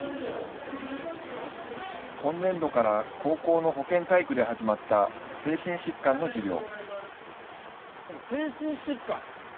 今年度から高校の保健体育で始まった精神疾患の授業。